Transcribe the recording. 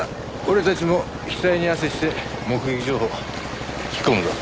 俺たちも額に汗して目撃情報聞き込むぞ。